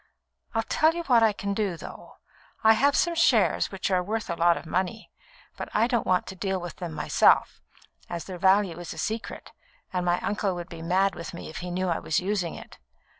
I'll tell you what I can do, though. I have some shares which are worth a lot of money, but I don't want to deal with them myself, as their value is a secret, and my uncle would be mad with me if he knew I was using it.